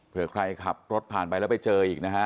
เพื่อใครขับรถผ่านไปแล้วไปเจออีกนะฮะ